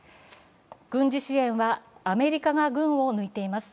軍事支援はアメリカが群を抜いています。